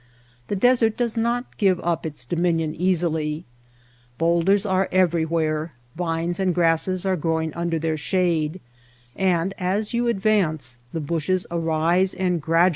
The desert does not give up its dominion easily. Bowlders are everywhere, vines and grasses are growing under their shade ; and, as you advance, the bushes arise and gradually In the gorge.